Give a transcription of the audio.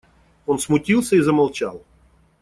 Он смутился и замолчал.